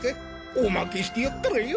おまけしてやっからよ。